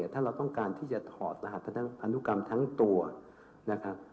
ถ้าเราต้องการที่จะถอดรหัสพันธุกรรมทั้งตัวนะครับ